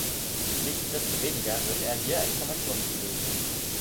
Nichtsdestoweniger wird er hier als Formation geführt.